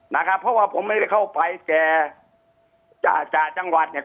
นะครับเพราะว่าผมไม่ได้เข้าไปแก่จ่าจังหวัดเนี่ย